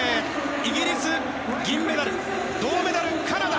イギリス、銀メダル銅メダル、カナダ。